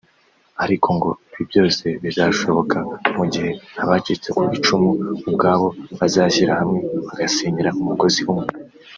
Ariko ngo ibi byose bizashoboka mu gihe abacitse ku icumu ubwabo bazashyira hamwe bagasenyera umugozi umwe